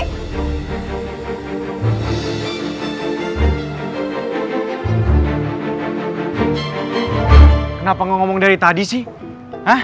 kenapa ngomong dari tadi sih